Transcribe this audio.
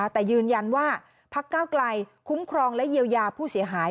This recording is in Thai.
แต่ยืนยันว่าพักเก้าไกลคุ้มครองและเยียวยาผู้เสียหาย